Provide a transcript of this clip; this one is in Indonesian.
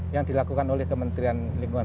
yang dilakukan oleh kementerian lingkungan